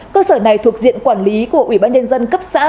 cơ sở này thuộc diện quản lý của ubnd cấp xã